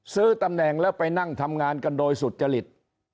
ซื้อตำแหน่งแล้วไปนั่งทำงานกันโดยสุจริต